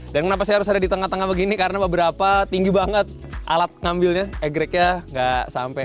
dan kenapa saya harus ada di tengah tengah begini karena beberapa tinggi banget alat ngambilnya egg racknya gak sampai